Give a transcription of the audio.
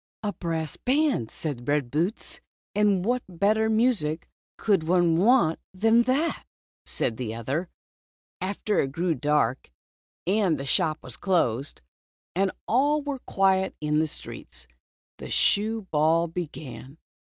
" "A brass band," said Red Boots. "And what better music could one want than that?" said the other. After it grew dark, and the shop was closed, Red Boots. 20 J and all was quiet in the streets, the shoe ball began.